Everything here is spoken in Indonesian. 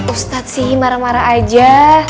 ustadz sih marah marah aja